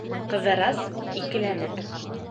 Ҡыҙырас, икеләнеп: